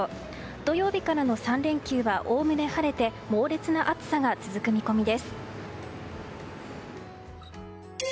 土曜日からの３連休はおおむね晴れて猛烈な暑さが続く見込みです。